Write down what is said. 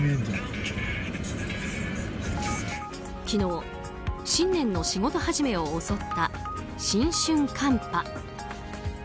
昨日、新年の仕事始めを襲った新春寒波。